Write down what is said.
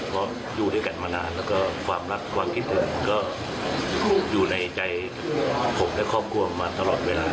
เพราะอยู่ด้วยกันมานานแล้วก็ความรักความคิดอะไรก็อยู่ในใจผมและครอบครัวมาตลอดเวลา